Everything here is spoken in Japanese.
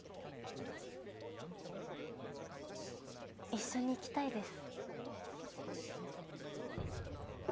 一緒に行きたいです。